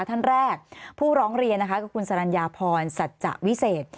ท่านแรกผู้ร้องเรียนนะคะคือคุณสรรญาพรสัจจะวิเศษ